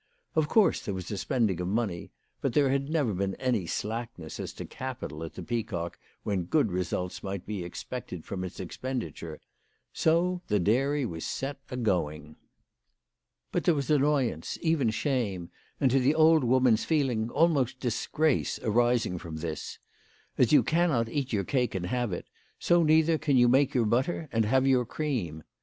Of course there was a spending of money, but there had never been any slackness as to capital at the Pea cock when good results might be expected from its expenditure. So the dairy was set agoing. But there was annoyance, even shame, and to the old woman's feeling almost disgrace, arising from this. As you cannot eat your cake and have it, so neither can you make your butter and have your cream.